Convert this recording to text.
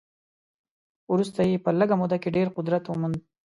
وروسته یې په لږه موده کې ډېر قدرت وموند.